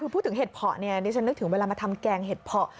พูดถึงเห็ดเพาะเนี่ยดิฉันนึกถึงเวลามาทำแกงเห็ดเพาะ